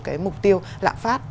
cái mục tiêu lạm phát